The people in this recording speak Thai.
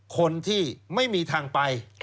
คนที่ไม่มีทางไป